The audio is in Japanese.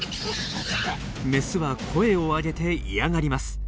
メスは声を上げて嫌がります。